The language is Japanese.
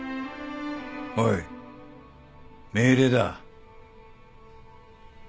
おい命令だ。